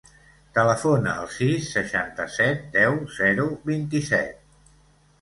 Telefona al sis, seixanta-set, deu, zero, vint-i-set.